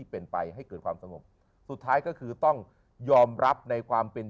เป็นไปให้เกิดความสงบสุดท้ายก็คือต้องยอมรับในความเป็น